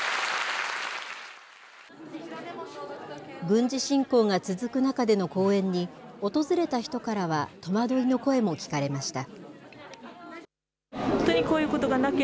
軍事侵攻が続く中での公演に、訪れた人からは戸惑いの声も聞かれました。